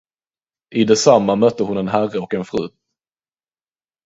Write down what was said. I detsamma mötte hon en herre och en fru.